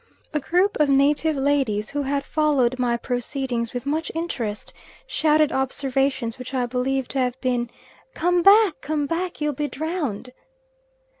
A group of native ladies, who had followed my proceedings with much interest, shouted observations which I believe to have been "Come back, come back; you'll be drowned."